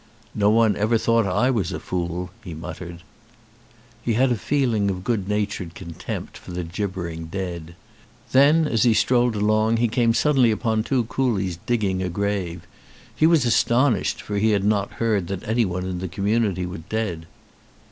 "No one ever thought I was a fool," he muttered. He had a feeling of good natured contempt for the gibbering dead. Then, as he strolled along, he came suddenly upon two coolies digging a grave. He was astonished, for he had not heard that anyone in the community was dead.